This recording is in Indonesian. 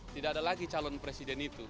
tidak ada lagi calon presiden itu